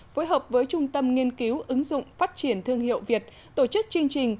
phối hợp với trung tâm nghiên cứu ứng dụng phát triển thương hiệu việt tổ chức chương trình